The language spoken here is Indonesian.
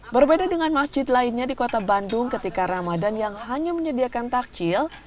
berbeda dengan masjid lainnya di kota bandung ketika ramadan yang hanya menyediakan takjil